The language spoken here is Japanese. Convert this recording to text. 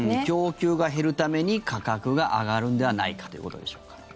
供給が減るために価格が上がるんではないかということでしょうか。